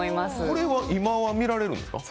これは今は見られるんですか？